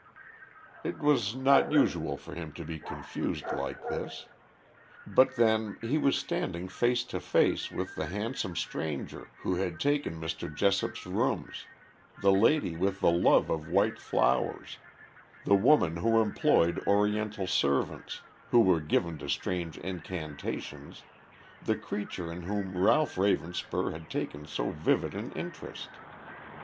It was not usual for him to be confused like this. But then he was standing face to face with the handsome stranger who had taken Mr. Jessop's rooms, the lady with the love of white flowers, the woman who employed Oriental servants, who were given to strange incantations, the creature in whom Ralph Ravenspur had taken so vivid an interest.